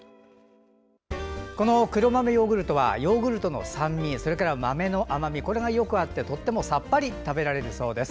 この黒豆ヨーグルトはヨーグルトの酸味それから豆の甘みがよく合ってとってもさっぱり食べられるそうです。